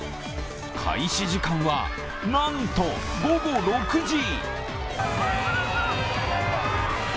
開始時間は、なんと午後６時。